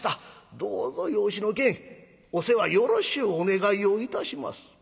どうぞ養子の件お世話よろしゅうお願いをいたします』。